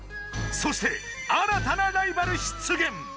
そして新たなライバル出現！